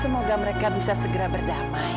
semoga mereka bisa segera berdamai